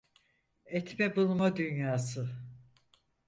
Etme bulma dünyası.